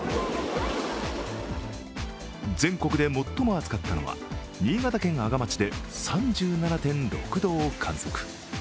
全国で最も暑かったのは新潟県阿賀町で３７．６度を観測。